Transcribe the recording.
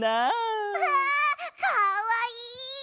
うわかわいい！